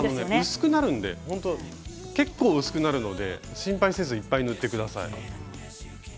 結構、薄くなるので心配せずにいっぱい塗ってください。